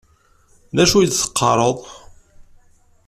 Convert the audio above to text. D acu i d-teqqaṛeḍ?